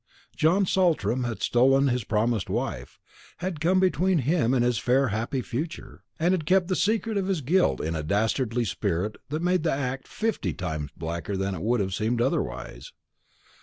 John Saltram had stolen his promised wife, had come between him and his fair happy future, and had kept the secret of his guilt in a dastardly spirit that made the act fifty times blacker than it would have seemed otherwise.